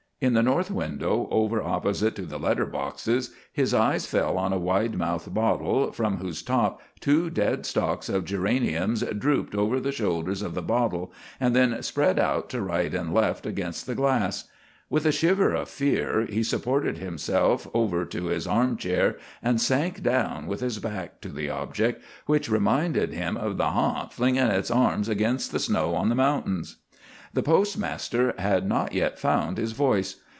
In the north window, over opposite to the letter boxes, his eyes fell on a wide mouthed bottle, from whose top two dead stalks of geraniums drooped over to the shoulders of the bottle, and then spread out to right and left against the glass. With a shiver of fear, he supported himself over to his arm chair, and sank down with his back to the object, which reminded him of the "harnt" flinging its arms against the snow on the mountain. The postmaster had not yet found his voice.